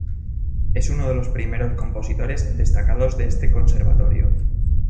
Es uno de los primeros compositores destacados de este conservatorio.